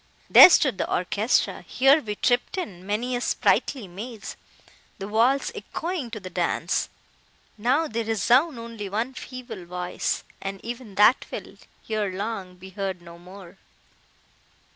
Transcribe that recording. There stood the orchestra; here we tripped in many a sprightly maze—the walls echoing to the dance! Now, they resound only one feeble voice—and even that will, ere long, be heard no more!